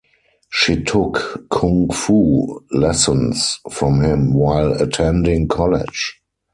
She took Kung Fu lessons from him while attending college.